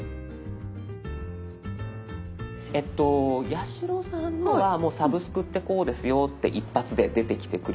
八代さんのはもう「サブスク」ってこうですよって１発で出てきてくれてます。